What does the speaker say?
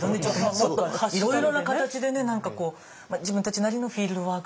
もっといろいろな形でね何かこう自分たちなりのフィールドワーク。